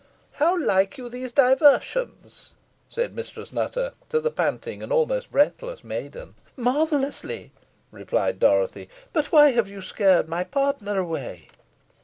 "How like you these diversions?" said Mistress Nutter to the panting and almost breathless maiden. "Marvellously," replied Dorothy; "but why have you scared my partner away?"